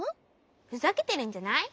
ふざけてるんじゃない？